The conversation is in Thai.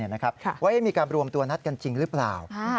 ว่ามีการรวมตัวนัดกันจริงหรือเปล่า